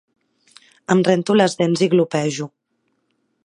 Em rento les dents i glopejo